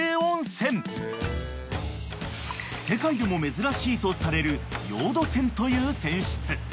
［世界でも珍しいとされるヨード泉という泉質］